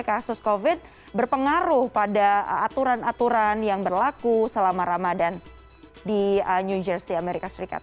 kasus covid berpengaruh pada aturan aturan yang berlaku selama ramadan di new jersey amerika serikat